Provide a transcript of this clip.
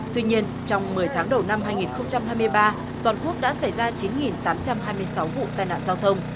tuy nhiên trong một mươi tháng đầu năm hai nghìn hai mươi ba toàn quốc đã xảy ra chín tám trăm hai mươi sáu vụ tai nạn giao thông